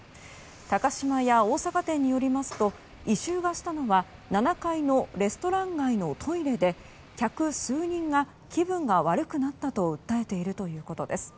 高島屋大阪店によりますと異臭がしたのは７階のレストラン街のトイレで客数人が気分が悪くなったと訴えているということです。